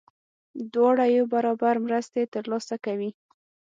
دواړه یو برابر مرستې ترلاسه کوي.